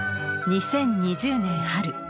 ２０２０年春。